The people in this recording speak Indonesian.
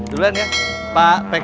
duluan ya pak pkk